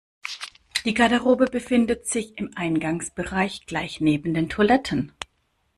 Die Garderobe befindet sich im Eingangsbereich, gleich neben den Toiletten.